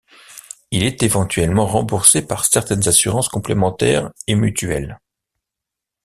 Il est éventuellement remboursé par certaines assurances complémentaires et mutuelles.